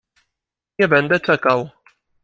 Nie będę czekał!